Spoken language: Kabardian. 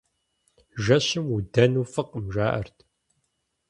Жэщым удэну фӀыкъым, жаӀэрт.